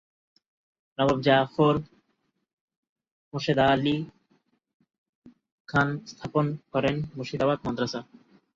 নবাব জাফর মোরশেদ আলি খান স্থাপন করেন মুর্শিদাবাদ মাদ্রাসা।